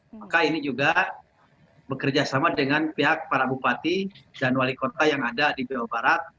maka ini juga bekerja sama dengan pihak para bupati dan wali kota yang ada di jawa barat